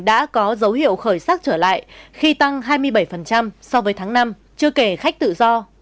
đã có dấu hiệu khởi sắc trở lại khi tăng hai mươi bảy so với tháng năm chưa kể khách tự do